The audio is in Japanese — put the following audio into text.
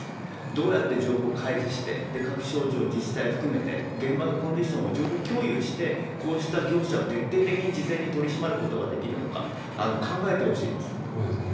どうやって情報を開示して、各省庁、自治体含めて、現場のコンディションを情報共有して、こうした業者を徹底的に事前に取り締まることができるのか、考えそうですね。